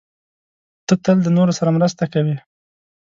ته تل د نورو سره مرسته کوې.